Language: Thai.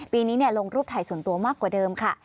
ปีนี้ลงรูปถ่ายส่วนตัวมากกว่าเดิมค่ะ